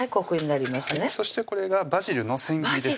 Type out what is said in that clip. そしてこれがバジルのせん切りです